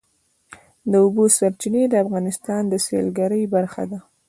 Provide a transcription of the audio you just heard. د اوبو سرچینې د افغانستان د سیلګرۍ برخه ده.